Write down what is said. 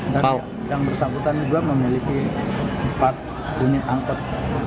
dan yang bersambutan juga memiliki empat unit angkot